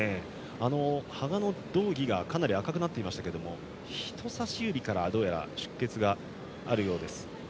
羽賀の道着がかなり赤くなっていましたが人さし指からどうやら出血があるようです。